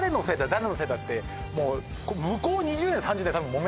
誰のせいだって向こう。